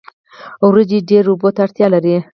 وریجې ډیرو اوبو ته اړتیا لري